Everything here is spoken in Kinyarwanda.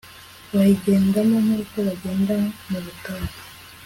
bayigendamo nk'uko bagenda mu butayu